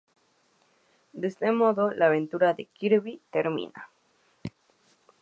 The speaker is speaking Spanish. De este modo, la aventura de Kirby termina.